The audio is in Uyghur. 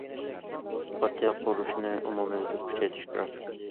پارتىيە قۇرۇلۇشىنى ئومۇميۈزلۈك كۈچەيتىش كېرەك.